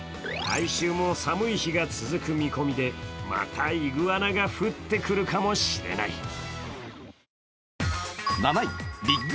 来週も寒い日が続く見込みで、またイグアナが降ってくるかもしれない。